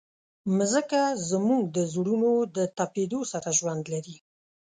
مځکه زموږ د زړونو د تپېدو سره ژوند لري.